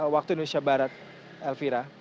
waktu indonesia barat elvira